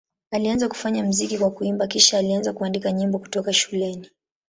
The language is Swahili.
Alianza kufanya muziki kwa kuimba, kisha alianza kuandika nyimbo kutoka shuleni.